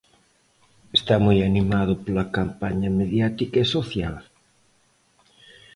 Está moi animado pola campaña mediática e social.